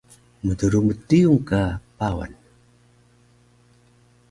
Mdrumuc riyung ka Pawan